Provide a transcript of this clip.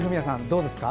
どうですか？